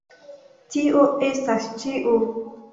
Tio estas ĉio